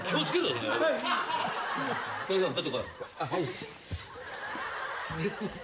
はい。